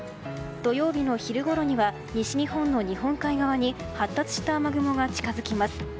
土曜日の昼ごろには西日本の日本海側に発達した雨雲が近づきます。